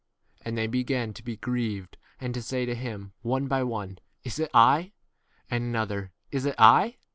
r And they began to be grieved, and to say to him, one by one, Is it I ? 20 and another, Is it I